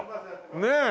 ねえ。